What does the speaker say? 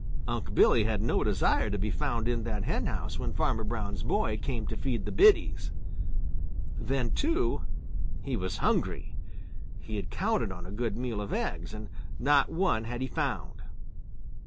Unc' Billy had no desire to be found in that henhouse when Farmer Brown's boy came to feed the biddies. Then, too, he was hungry. He had counted on a good meal of eggs, and not one had he found.